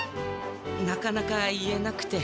なかなか言えなくて。